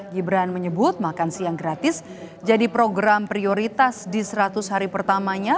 gibran menyebut makan siang gratis jadi program prioritas di seratus hari pertamanya